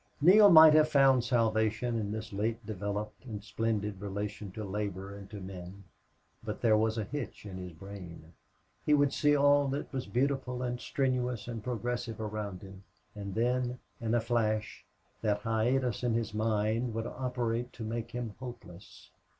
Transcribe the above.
Neale might have found salvation in this late developed and splendid relation to labor and to men. But there was a hitch in his brain. He would see all that was beautiful and strenuous and progressive around him; and then, in a flash, that hiatus in his mind would operate to make him hopeless.